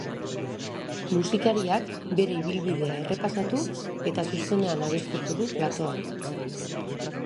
Musikariak bere ibilbidea errepasatu eta zuzenean abestuko du platoan.